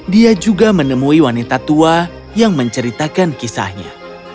dia juga menemui wanita tua yang menceritakan kisahnya